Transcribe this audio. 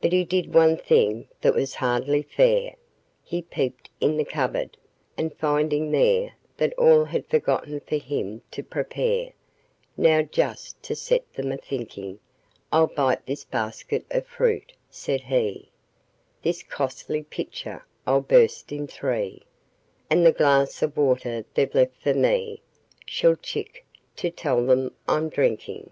But he did one thing that was hardly fair; He peeped in the cupboard, and finding there That all had forgotten for him to prepare "Now just to set them a thinking, I'll bite this basket of fruit," said he, "This costly pitcher I'll burst in three, And the glass of water they've left for me Shall 'Tchick!' to tell them I'm drinking."